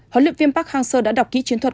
hỗ luyện viên park hang seo đã đọc ký chiến thuật